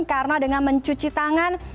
karena dengan mencuci tangan